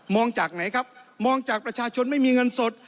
จากไหนครับมองจากประชาชนไม่มีเงินสด